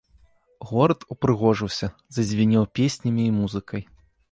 Горад упрыгожыўся, зазвінеў песнямі і музыкай.